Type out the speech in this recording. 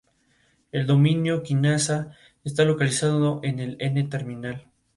Fue filmada en Tilcara.